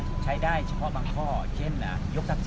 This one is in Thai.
ไม่ใช่นี่คือบ้านของคนที่เคยดื่มอยู่หรือเปล่า